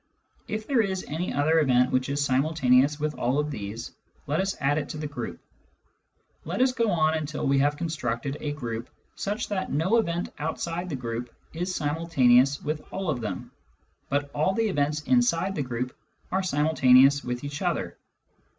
If there is any other event w hich is simu ltaneous with all of these,"Tet us add it to the group ; let us go on until we have coftetructcd a group such tKat no event outside the group is simultaneous with all of them, but all the events inside the group are simultaneous with each other.